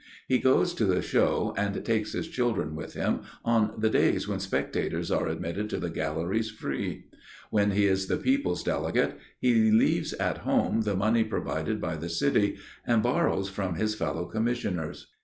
He goes to the show and takes his children with him, on the days when spectators are admitted to the galleries free. When he is the people's delegate, he leaves at home the money provided by the city, and borrows from his fellow commissioners.